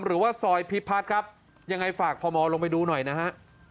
หรือว่าซอยพิพัฒน์ครับยังไงฝากพมลงไปดูหน่อยนะฮะ